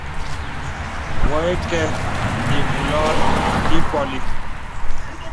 Wə̀kə̄ə̄ ìvùlɔ̄ɔ̄ ì ǐkpɔ̄li.